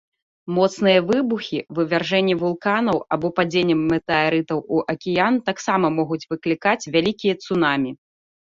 Моцныя выбухі, вывяржэнні вулканаў або падзенне метэарытаў у акіян таксама могуць выклікаць вялікія цунамі.